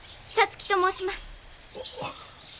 皐月と申します。